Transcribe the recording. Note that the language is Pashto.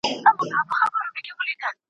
ملي اجماع د سولې د ټینګښت لپاره اړینه ده.